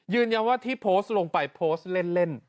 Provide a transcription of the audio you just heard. ยืนยันว่าที่โพสต์ลงไปโพสต์เล่น